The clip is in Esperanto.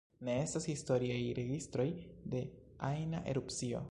Ne estas historiaj registroj de ajna erupcio.